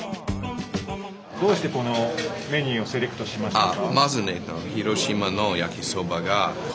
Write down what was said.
どうしてこのメニューをセレクトしましたか？